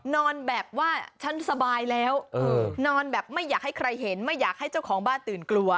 นอนแบบว่าฉันสบายแล้วนอนแบบไม่อยากให้ใครเห็นไม่อยากให้เจ้าของบ้านตื่นกลัว